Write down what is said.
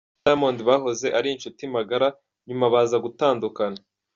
Wema na Diamond bahoze ari inshuti magara, nyuma baza gutandukana.